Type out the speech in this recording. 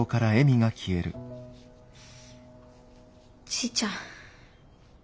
じいちゃん